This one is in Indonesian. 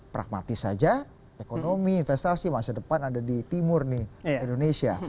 pragmatis saja ekonomi investasi masa depan ada di timur nih indonesia